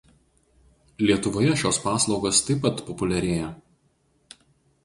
Lietuvoje šios paslaugos taip pat populiarėja.